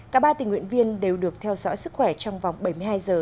cả ba tình nguyện viên đều được theo dõi sức khỏe trong vòng bảy mươi hai giờ